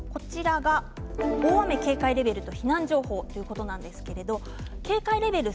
大雨警戒レベルと避難情報ということなんですが警戒レベル